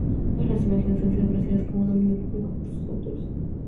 Todas las imágenes han sido ofrecidas como dominio público por sus autores.